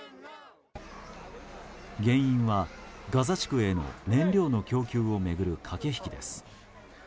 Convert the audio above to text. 原因はガザ地区への燃料の供給を巡る駆け引きです。